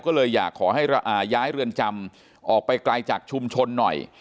ก็เลยอยากขอให้ย้ายเรือนจำออกไปไกลจากชุมชนหน่อย